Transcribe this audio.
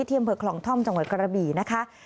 เที่ยมเผลอคลองท่อมจังหวัดกระบี่นะคะ